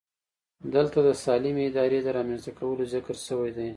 دلته د سالمې ادارې د رامنځته کولو ذکر شوی دی.